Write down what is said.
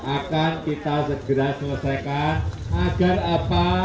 akan kita segera selesaikan agar apa